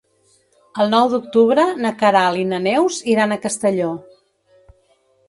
El nou d'octubre na Queralt i na Neus iran a Castelló.